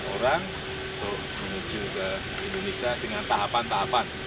empat puluh tiga orang untuk menuju ke indonesia dengan tahapan tahapan